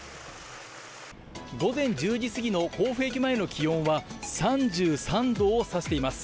午前１０時過ぎの甲府駅前の気温は、３３度を差しています。